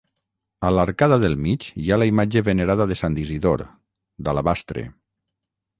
A l'arcada del mig hi ha la imatge venerada de Sant Isidor, d'alabastre.